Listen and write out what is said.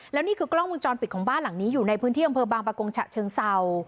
แล้วนี่คือกล้องวงจรปิดของบ้านหลังนี้อยู่ในพื้นที่อำเภอบางประกงฉะเชิงเศร้า